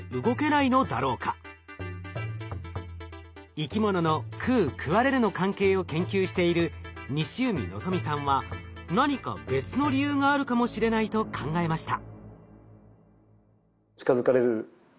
生き物の「食う食われる」の関係を研究している西海望さんは何か別の理由があるかもしれないと考えました。